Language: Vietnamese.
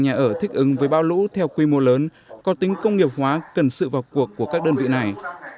và những nhà ở thích ứng với bao lũ theo quy mô lớn có tính công nghiệp hóa cần sự vào cuộc của các đơn vị này